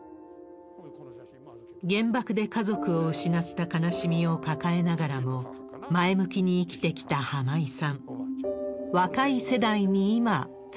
原爆で家族を失った悲しみを抱えながらも、前向きに生きてきた浜井さん。